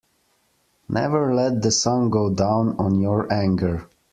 Never let the sun go down on your anger.